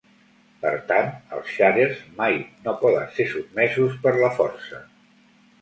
Per tant, els Sharers mai no poden ser sotmesos per la força.